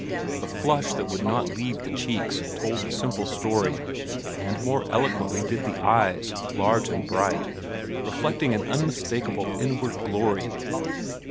The flush that would not leave the cheeks told the simple story, and more eloquently did the eyes, large and bright, reflecting an unmistakable inward glory.